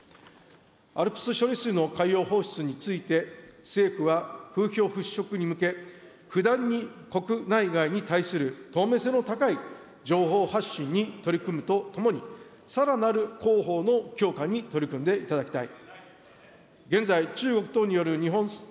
ＡＬＰＳ処理水の海洋放出について、政府は風評払拭に向け、不断に国内外に対する透明性の高い情報発信に取り組むとともに、さらなる広報の強化に取り組んでいただきたい。